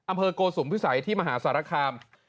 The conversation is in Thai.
โกสุมพิสัยที่มหาสารคาม